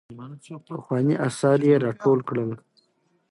پخواني اثار يې راټول کړل.